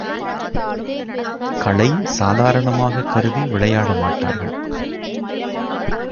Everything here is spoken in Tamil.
களை சாதாரணமாகக் கருதி விளையாட மாட்டார்கள்.